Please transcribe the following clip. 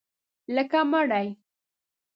لکه مړی